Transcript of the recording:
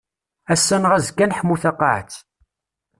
Ass-a neɣ azekka ad neḥmu taqaɛet.